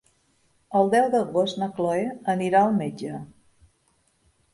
El deu d'agost na Cloè anirà al metge.